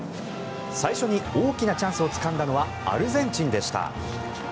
最初に大きなチャンスをつかんだのはアルゼンチンでした。